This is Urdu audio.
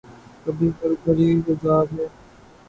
کبھی ہر گھڑی عذاب ہے